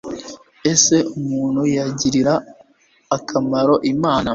ese umuntu yagirira akamaro imana